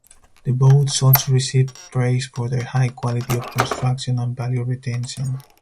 The boats also received praise for their high quality of construction and value retention.